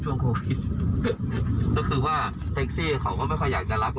ช่วงโควิดคือว่าเท็กซี่เขาก็ไม่ค่อยอยากจะรับกับ